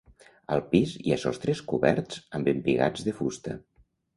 Al pis hi ha sostres coberts amb embigats de fusta.